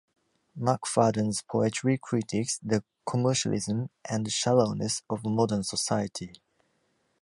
McFadden's poetry critiques the commercialism and shallowness of modern society.